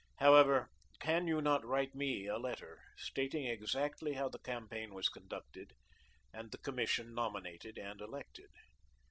However, can you not write me a letter, stating exactly how the campaign was conducted, and the commission nominated and elected?